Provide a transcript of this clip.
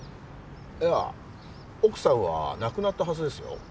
いや奥さんは亡くなったはずですよ。